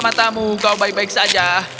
matamu kau baik baik saja